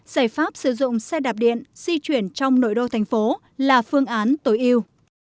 giải pháp sử dụng xe đạp điện di chuyển trong nội đô thành phố là phương án tối yêu